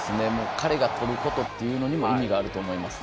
彼が取ることに意味があると思います。